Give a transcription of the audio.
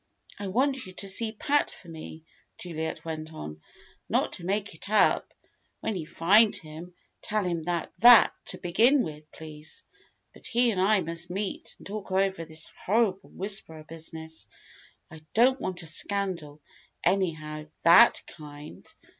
"I want you to see Pat for me," Juliet went on. "Not to make it up! When you find him, tell him that to begin with, please. But he and I must meet, and talk over this horrible 'Whisperer' business. I don't want a scandal anyhow that kind!